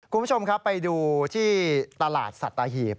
คุณผู้ชมครับไปดูที่ตลาดสัตหีบ